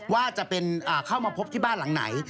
ว่าจะเข้ามาพบที่บ้านหลังไหน